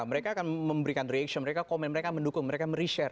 mereka akan memberikan reaction mereka komen mereka mendukung mereka mere share